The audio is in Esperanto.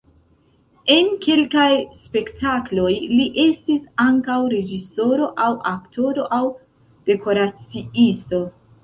En kelkaj spektakloj li estis ankaŭ reĝisoro aŭ aktoro aŭ dekoraciisto.